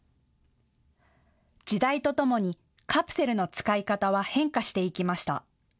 時代とともにカプセルの使い方は変化していきました。